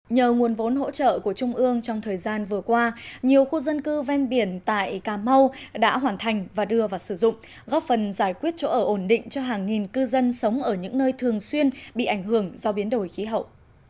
nhờ nguồn vốn hỗ trợ của trung ương trong thời gian vừa qua nhiều khu dân cư ven biển tại cà mau đã hoàn thành và đưa vào sử dụng góp phần giải quyết chỗ ở ổn định cho hàng nghìn cư dân sống ở những nơi thường xuyên bị ảnh hưởng do biến đổi khí hậu